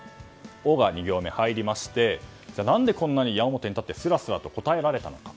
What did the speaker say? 「オ」が２行目入りまして何でこんなに矢面に立ってすらすらと答えられたのか。